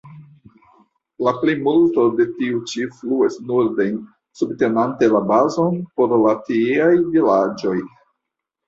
La plejmulto de tiu ĉi fluas norden, subtenante la bazon por la tieaj vilaĝoj.